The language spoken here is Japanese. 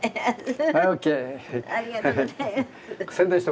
ありがとうございます。